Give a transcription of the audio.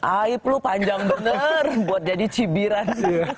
aib lu panjang bener buat jadi cibiran